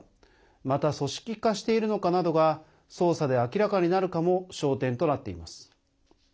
また、組織化しているのかなどが捜査で明らかになるかも焦点となっています。